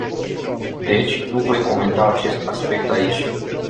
Deci, nu voi comenta aceste aspecte aici.